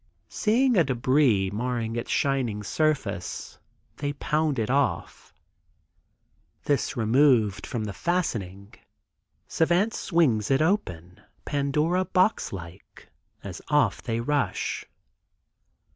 Seeing a debris marring its shining surface they pound it off. This removed from the fastening Savant swings it open, Pandora box like, as off they rush.